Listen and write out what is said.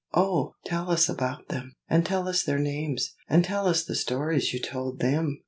"Oh! tell us about them, and tell us their names, and tell us the stories you told them!"